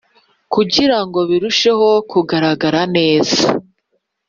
kugira ngo birusheho kugaragara neza.